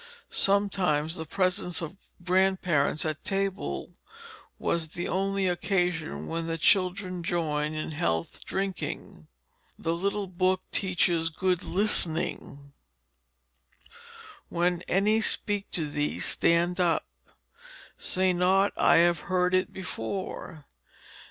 Sometimes the presence of grandparents at the table was the only occasion when children joined in health drinking. The little book teaches good listening: "When any speak to thee, stand up. Say not I have heard it before.